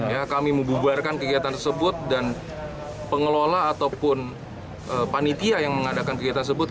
ya kami membubarkan kegiatan tersebut dan pengelola ataupun panitia yang mengadakan kegiatan tersebut